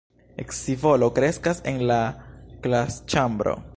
Scivolo kreskas en la klasĉambro.